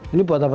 ini buat apa